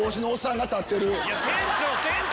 店長店長！